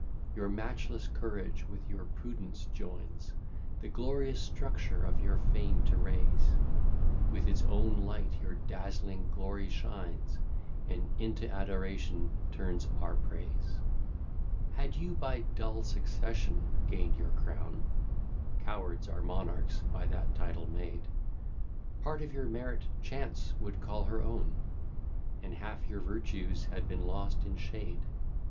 Your matchless courage with your prudence joins, The glorious structure of your fame to raise; With its own light your dazzling glory shines, And into adoration turns our praise. Had you by dull succession gain'd your crown, (Cowards are monarchs by that title made,) Part of your merit Chance would call her own, And half your virtues had been lost in shade.